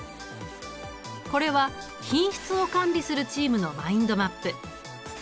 これは品質を管理するチームのマインドマップ。